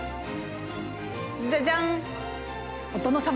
じゃじゃん！